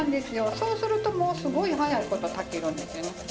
そうするともうすごい早いこと炊けるんですよね。